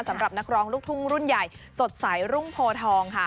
สำหรับนักร้องลูกทุ่งรุ่นใหญ่สดใสรุ่งโพทองค่ะ